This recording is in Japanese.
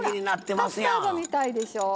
カスタードみたいでしょ。